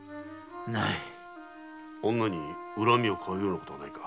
女に恨みをかうようなことはないか？